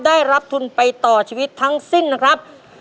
ได้รับทุนไปต่อชีวิตทั้งสิ้นนะครับ